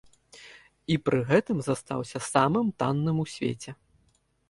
І пры гэтым застаўся самым танным у свеце.